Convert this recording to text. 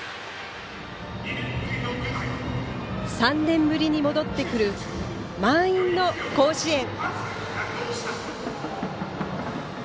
３年ぶりに戻ってくる満員の甲子園。